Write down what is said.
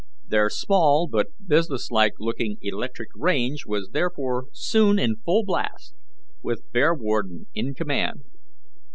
Their small but business like looking electric range was therefore soon in full blast, with Bearwarden in command.